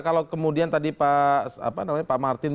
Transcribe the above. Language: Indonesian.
kalau kemudian tadi pak martin